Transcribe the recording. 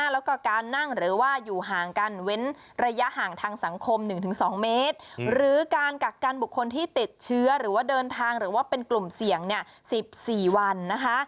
แล้วก็การนั่งหรือว่าอยู่ห่างกันเว้นระยะห่างทางสังคม๑๒เมตรหรือการกักกันบุคคลที่ติดเชื้อหรือว่าเดินทางหรือว่าเป็นกลุ่มเสี่ยง๑๔วันนะคะ